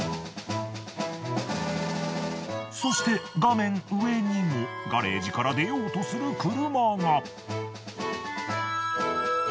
そして画面上にもガレージから出ようとする車が。